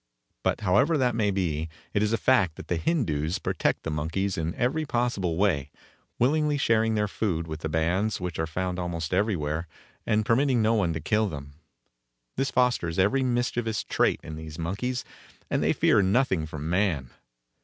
But, however that may be, it is a fact that the Hindoos protect the monkeys in every possible way, willingly sharing their food with the bands which are found almost everywhere, and permitting no one to kill them. This fosters every mischievous trait in these monkeys, and they fear nothing from man.